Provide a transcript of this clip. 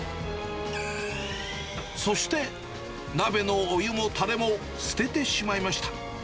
そして、鍋のお湯もたれも捨ててしまいました。